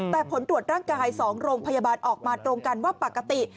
แต่ผลตรวจร่างกาย๒โรงพยาบาลออกมาตรงกันว่าปกติ